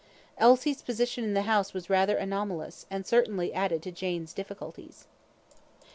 Elsie's position in the house was rather anomalous, and certainly added to Jane's difficulties.